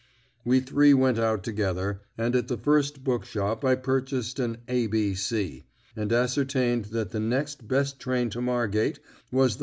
We three went out together, and at the first book shop I purchased an "A B C," and ascertained that the next best train to Margate was the 5.